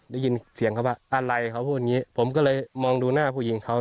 ได้ยินเสียงเขาว่าอะไรเขาพูดอย่างนี้ผมก็เลยมองดูหน้าผู้หญิงเขา